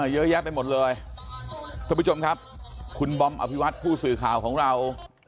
เยอะแยะไปหมดเลยท่านผู้ชมครับคุณบอมอภิวัตผู้สื่อข่าวของเรา